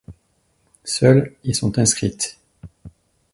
Seules y sont inscrites.